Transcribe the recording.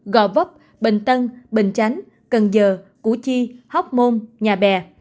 gò vấp bình tân bình chánh cần giờ củ chi hóc môn nhà bè